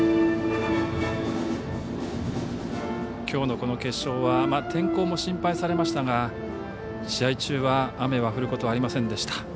きょうのこの決勝は天候も心配されましたが試合中は雨は降ることはありませんでした。